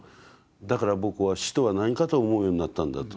「だから僕は死とは何かと思うようになったんだ」と。